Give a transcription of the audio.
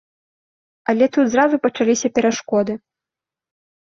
Але тут зразу пачаліся перашкоды.